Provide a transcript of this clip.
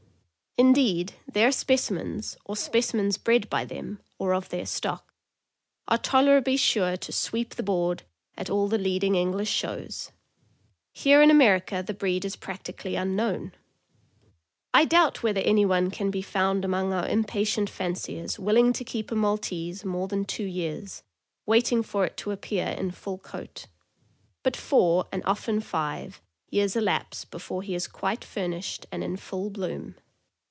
Indeed, their specimens, or specimens bred by them, or of their stock, are tolerably sure to '' sweep the board '' at all the leading English shows. Here in America the breed is practically unknown. I doubt whether anyone can be found among our impatient fanciers willing to keep a Maltese more than 500 THE AMERICAN BOOK OF THE DOG. two years, waiting for it to appear in full coat; but four, and often five, years elapse before he is quite furnished and in full bloom.